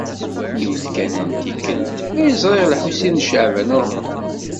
Yiwet kan n tikkelt ay ẓriɣ Lḥusin n Caɛban u Ṛemḍan.